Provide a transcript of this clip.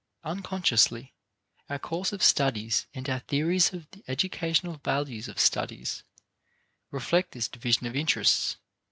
Unconsciously, our course of studies and our theories of the educational values of studies reflect this division of interests.